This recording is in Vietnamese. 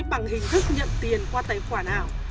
bằng hình thức nhận tiền qua tài khoản ảo